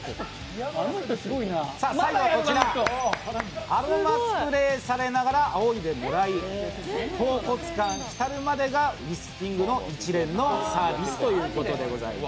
最後は、アロマスプレーされながらあおいでもらい、こうこつ感に浸るまでがウィスキングの一連のサービスと言うことです。